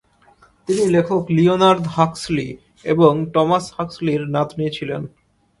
তিনি লেখক Leonard Huxley এবং টমাস হাক্সলির নাতনী ছিলেন।